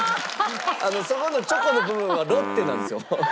そこの「チョコ」の部分は「ロッテ」なんですよ。